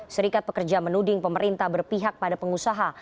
serikat pekerja menuding pemerintah berpihak pada pengusaha